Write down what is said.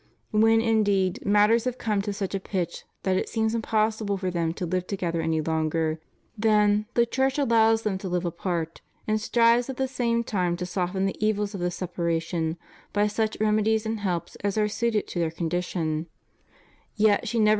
When, indeed, matters have come to such a pitch that it seems impossible for them to live together any longer, then the Church allows them to live apart, and strives at the same time to soften the evils of this separation by such remedies and helps as are suited to their condition; yet she never CHRISTIAN MARRIAGE.